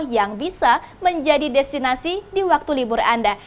yang bisa menjadi destinasi di waktu libur anda